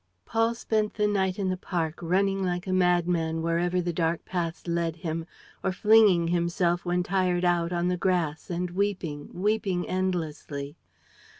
Paul spent the night in the park, running like a madman wherever the dark paths led him, or flinging himself, when tired out, on the grass and weeping, weeping endlessly.